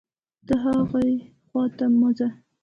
ته هاغې خوا ته مه ځه